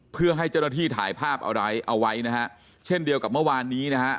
เพื่อให้เจ้าหน้าที่ถ่ายภาพเอาไว้เอาไว้นะฮะเช่นเดียวกับเมื่อวานนี้นะฮะ